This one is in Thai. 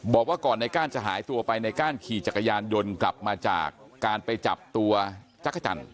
บอกว่าก่อนในก้านจะหายตัวไปในก้านขี่จักรยานยนต์กลับมาจากการไปจับตัวจักรจันท